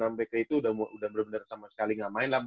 sampai ke itu udah bener bener sama sekali gak main lah